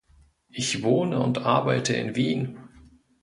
Ich wohne und arbeite in Wien.